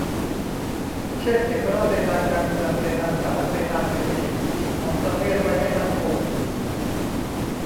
เช่น เอกราชในทางการเมือง ในทางศาล ในทางเศรษฐกิจ ของประเทศไว้ให้มั่นคง